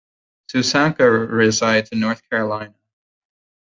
Susanka resides in North Carolina.